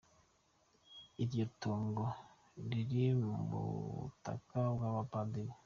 Iryo itongo riri mu butaka bw’abapadiri.